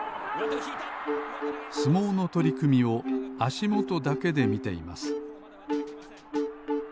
相撲のとりくみをあしもとだけでみています